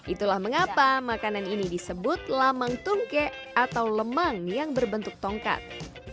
itulah mengapa makanan ini disebut lamang tungke atau lemang yang berbentuk tongkat